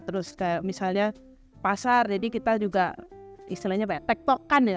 terus misalnya pasar jadi kita juga tek tokan ya